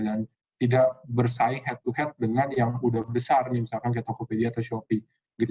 dan tidak bersaing head to head dengan yang udah besar nih misalkan kayak tokopedia atau shopee